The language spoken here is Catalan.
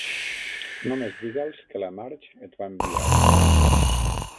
Només diga'ls que la Marge et va enviar.